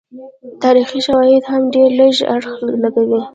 تاریخي شواهد هم ډېر لږ اړخ لګوي.